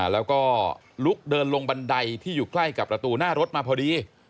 แล้วก็ลุกเดินลงบันไดที่อยู่ใกล้กับประตูหน้ารถมาพอดี